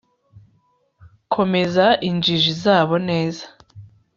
Komeza injiji zabo neza